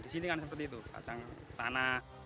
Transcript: di sini kan seperti itu kacang tanah